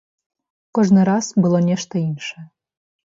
Кожны раз было нешта іншае.